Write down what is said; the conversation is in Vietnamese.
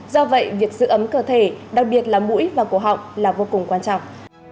do vậy việc giữ ấm cơ thể đặc biệt là mũi và cổ họng là vô cùng quan trọng